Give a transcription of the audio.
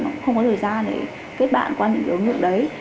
nó không có thời gian để kết bạn qua những cái ứng dụng đấy